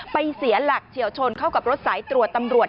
เสียหลักเฉียวชนเข้ากับรถสายตรวจตำรวจ